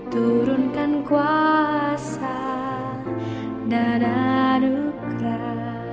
turunkan kuasa dan anugerah